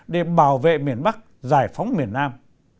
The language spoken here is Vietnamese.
để bảo vệ miền bắc giải phóng miền nam